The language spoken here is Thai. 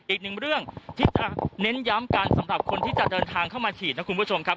อีกหนึ่งเรื่องที่จะเน้นย้ำกันสำหรับคนที่จะเดินทางเข้ามาฉีดนะคุณผู้ชมครับ